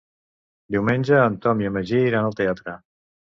Diumenge en Tom i en Magí iran al teatre.